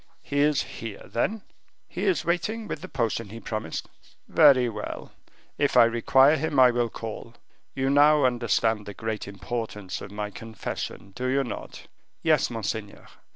"He is here, then?" "He is waiting with the potion he promised." "Very well; if I require him, I will call; you now understand the great importance of my confession, do you not?" "Yes, monseigneur."